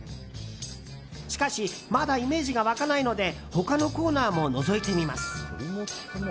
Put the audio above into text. しかしまだイメージが湧かないので他のコーナーものぞいてみます。